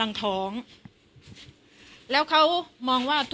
กินโทษส่องแล้วอย่างนี้ก็ได้